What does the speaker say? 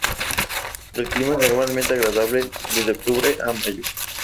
El clima es normalmente agradable desde octubre a mayo.